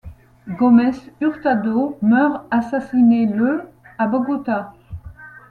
Gómez Hurtado meurt assassiné le à Bogotá.